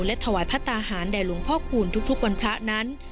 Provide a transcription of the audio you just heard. และถวายพระตาหารแด่หลวงพ่อคูณทุกวันพระนั้น